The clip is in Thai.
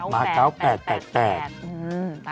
มา๙๘๘